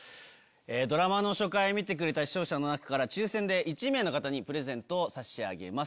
ドラマの初回見てくれた視聴者の中から抽選で１名の方にプレゼントを差し上げます。